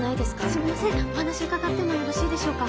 すいませんお話伺ってもよろしいでしょうか？